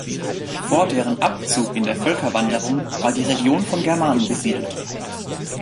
Vor deren Abzug in der Völkerwanderung war die Region von Germanen besiedelt.